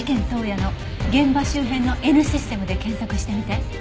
当夜の現場周辺のＮシステムで検索してみて。